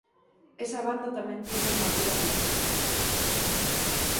Esa banda tamén tivo unha vida moi curta.